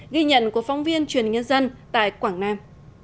ghi nhận của phóng viên truyền nhân dân tại quảng nam